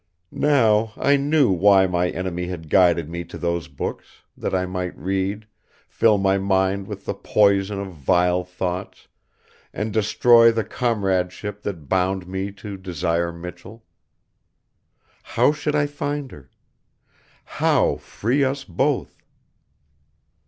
Now I knew why my enemy had guided me to those books, that I might read, fill my mind with the poison of vile thoughts, and destroy the comradeship that bound me to Desire Michell. How should I find her? How free us both?